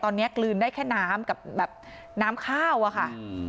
ตอนนี้กลืนได้แค่น้ำกับแบบน้ำข้าวอะค่ะ